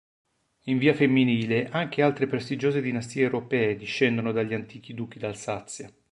In via femminile anche altre prestigiose dinastie europee discendono dagli antichi duchi d'Alsazia.